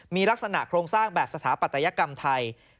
มีลักษณะโครงสร้างแบบสถาปัตยกรรมไทย